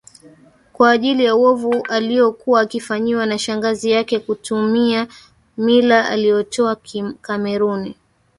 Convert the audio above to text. kwa ajili ya uovu aliokuwa akifanyiwa na shangazi yake kutumia mila aliotoa Kameruni